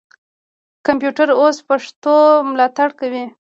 کمپیوټر اوس پښتو ملاتړ کوي.